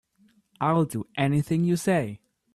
I'll do anything you say.